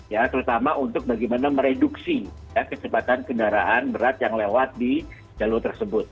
ya terutama untuk bagaimana mereduksi ya kecepatan kendaraan berat yang lewat di jalur tersebut